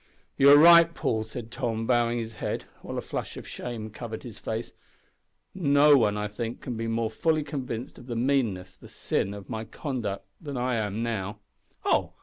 "You are right, Paul," said Tom, bowing his head, while a flush of shame covered his face. "No one, I think, can be more fully convinced of the meanness the sin of my conduct than I am now " "Oh!